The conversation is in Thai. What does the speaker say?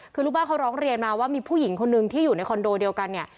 คือลูกบ้านเขาร้องเรียนมาว่ามีผู้หญิงคนนึงที่อยู่ในคอนโดเดียวกันเนี่ย